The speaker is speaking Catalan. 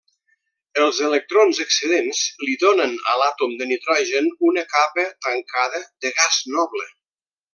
Els electrons excedents li donen a l'àtom de nitrogen una capa tancada de gas noble.